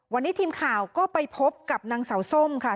วันนี้ทีมข่าวก็ไปพบกับนางสาวส้มค่ะ